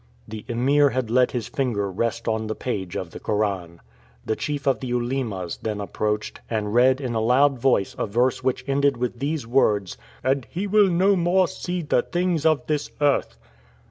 The Emir had let his finger rest on the page of the Koran. The chief of the Ulemas then approached, and read in a loud voice a verse which ended with these words, "And he will no more see the things of this earth."